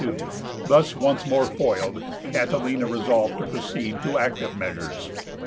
Thus once more foiled, Catilina resolved to proceed to active measures.